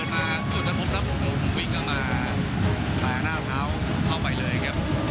แล้ววิ่งออกมาแปลหน้าเท้าเข้าไปเลยครับ